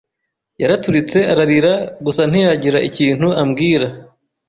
yaraturitse ararira gusa ntiyagira ikintu ambwira